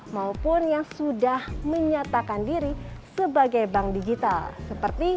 maupun yang sudah menyatakan diri sebagai bank digital seperti